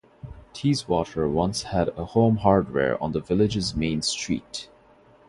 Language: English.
Teeswater once had a Home Hardware on the village's main street.